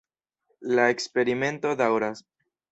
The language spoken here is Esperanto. La eksperimento daŭras.